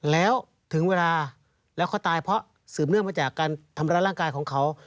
แล้วถึงเวลาแล้วเขาตายเพราะสืบเนื่องมาจากการทำร้ายร่างกายของเขา